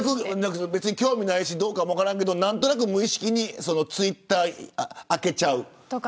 興味ないかどうかも分からないけど何となく無意識にツイッター開けちゃうとか。